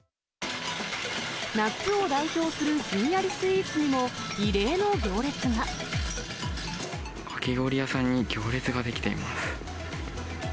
夏を代表するひんやりスイーツにも、かき氷屋さんに行列が出来ています。